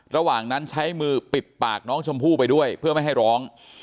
ระหว่างนั้นใช้มือปิดปากน้องชมพู่ไปด้วยเพื่อไม่ให้ร้อง